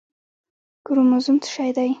کروموزوم څه شی دی